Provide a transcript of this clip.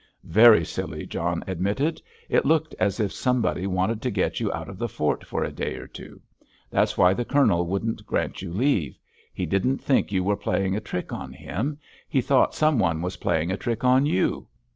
"Very silly," John admitted. "It looked as if somebody wanted to get you out of the fort for a day or two. That's why the Colonel wouldn't grant you leave. He didn't think you were playing a trick on him. He thought some one was playing a trick on you.